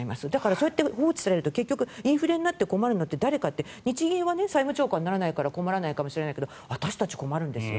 そうやって放置されると結局、インフレになって困るのって日銀は債務超過になって困らないのかもしれないけど私たち困るんですよ。